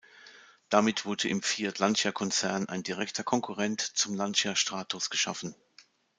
Damit wurde im Fiat-Lancia-Konzern ein direkter Konkurrent zum Lancia Stratos geschaffen.